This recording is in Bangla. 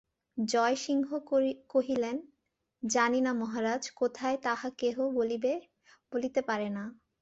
জয়সিংহ কহিলেন, জানি না মহারাজ, কোথায় তাহা কেহ বলিতে পারে না।